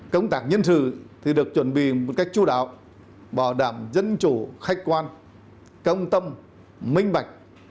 công tác nhân sự được chuẩn bị một cách chú đạo bảo đảm dân chủ khách quan công tâm minh bạch